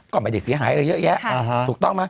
ก่อนไปเด็กเสียหายเยอะแยะถูกต้องมั้ย